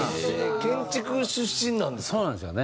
建築出身なんですか？